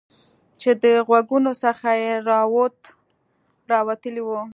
چې د غوږونو څخه یې روات راوتلي وو